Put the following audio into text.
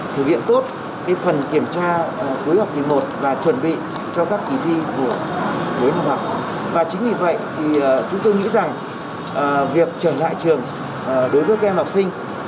thực hiện tốt phần kiểm tra cuối học thứ một và chuẩn bị cho các kỳ thi